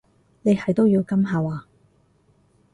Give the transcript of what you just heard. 你係都要噉下話？